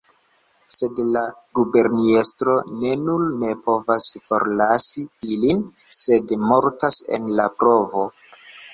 Sed la guberniestro ne nur ne povas forlasi ilin, sed mortas en la provo.